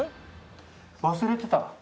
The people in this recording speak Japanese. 忘れてた。